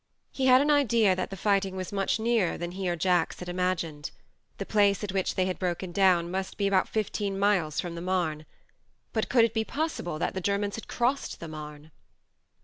He had an idea that the fighting was much nearer than he or Jacks had imagined. The place at which they had broken down must be about fifteen miles from the Marne. But could it be possible that the Germans had crossed the Marne